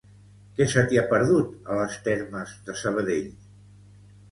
Què se t'hi ha perdut, a Les Termes de Sabadell?